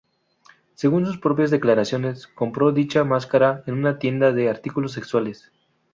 Según sus propias declaraciones, compró dicha máscara en una tienda de artículos sexuales.